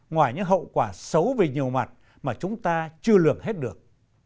ngoài những hậu quả xấu về nhiều mặt mà chúng ta chưa lường hết được